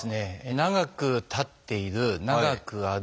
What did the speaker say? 長く立っている長く歩く。